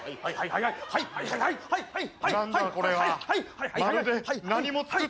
はいはいはいはい。